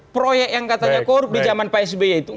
proyek yang katanya korup di zaman pak sby itu